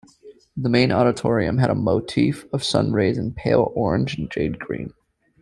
The main auditorium had a motif of sunrays in pale orange and jade green.